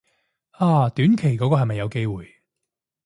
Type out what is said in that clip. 啊短期嗰個係咪有機會